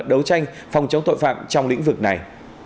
đấu tranh phòng chống tội phạm trong lĩnh vực này